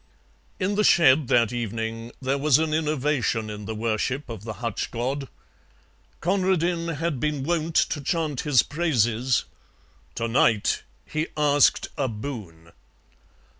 In the shed that evening there was an innovation in the worship of the hutch god. Conradin had been wont to chant his praises, to night he asked a boon.